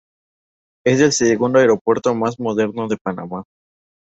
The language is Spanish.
Es el segundo aeropuerto más moderno de Panamá.